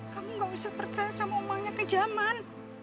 kamu gak usah percaya sama umangnya kijaman